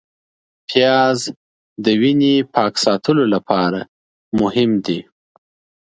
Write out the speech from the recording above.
پیاز د وینې پاک ساتلو لپاره مهم دی